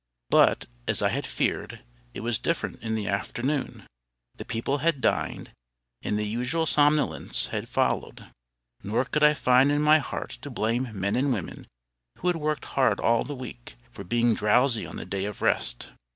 But, as I had feared, it was different in the afternoon. The people had dined, and the usual somnolence had followed; nor could I find in my heart to blame men and women who worked hard all the week, for being drowsy on the day of rest.